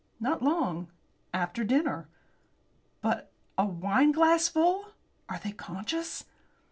"Not long. After dinner." "But a wineglassful! Are they conscious?"